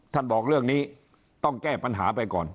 บอกเรื่องนี้ต้องแก้ปัญหาไปก่อน